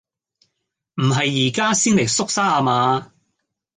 唔係而家先嚟縮沙呀嘛？